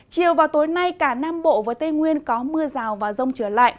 chiều vào tối nay cả nam bộ và tây nguyên có mưa rào và rông trở lại